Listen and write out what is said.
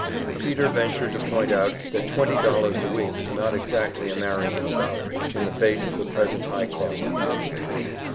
Peter ventured to point out that twenty dollars a week was not exactly a marrying salary, in the face of the present high cost of living.